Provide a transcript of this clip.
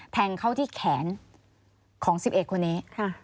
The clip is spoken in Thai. แทงเข้าที่แขนของ๑๑คนนี้